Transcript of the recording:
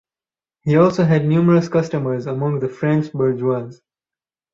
He also had numerous customers among the French bourgeoisie.